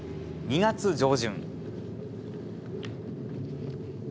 ２月上旬。